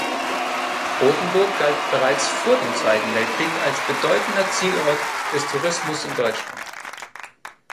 Rothenburg galt bereits vor dem Zweiten Weltkrieg als bedeutender Zielort des Tourismus in Deutschland.